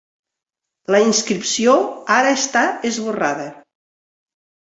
La inscripció ara està esborrada.